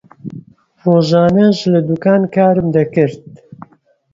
ڕۆژانەش لە دوکان کارم دەکرد.